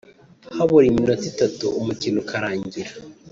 Habura iminota itatu umukino ukarangira